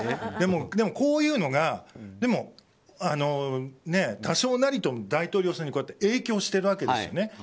でも、こういうのが多少なりとも大統領選に影響してるわけですよね